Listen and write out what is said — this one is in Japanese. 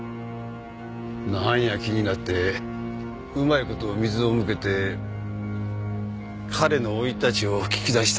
なんや気になってうまい事水を向けて彼の生い立ちを聞き出したんです。